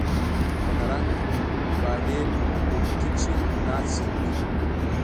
په نرنګ، باډېل کوټکي کښي ناڅي میني